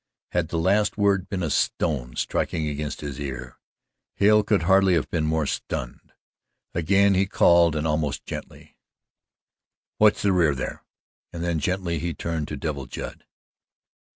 Had the last word been a stone striking his ear, Hale could hardly have been more stunned. Again he called and almost gently: "Watch the rear, there," and then gently he turned to Devil Judd.